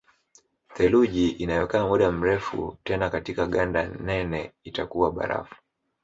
Theluji inayokaa muda mrefu tena katika ganda nene itakuwa barafu